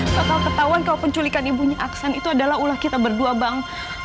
soal ketahuan kalau penculikan ibunya aksan itu adalah ulah kita berdua bang